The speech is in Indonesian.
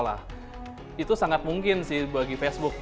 dan itu sangat mungkin bagi facebook